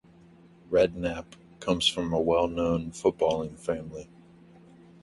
Redknapp comes from a well-known footballing family.